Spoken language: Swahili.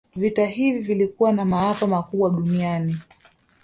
Vita hivi vilikuwa na maafa makubwa kwa duniani